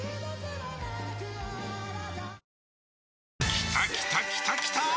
きたきたきたきたー！